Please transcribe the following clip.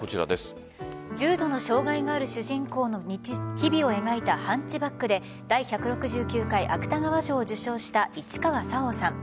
重度の障害がある主人公の日々を描いた「ハンチバック」で第１６９回芥川賞を受賞した市川沙央さん。